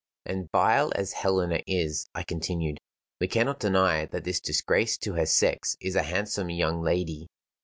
"And vile as Helena is," I continued, "we cannot deny that this disgrace to her sex is a handsome young lady."